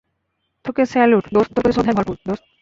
তোকে স্যালুট, দোস্ত - তোর প্রতি শ্রদ্ধায় ভরপুর, দোস্ত।